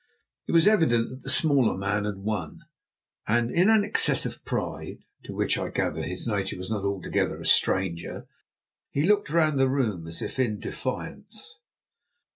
It was evident that the smaller man had won, and in an excess of pride, to which I gathered his nature was not altogether a stranger, he looked round the room as if in defiance.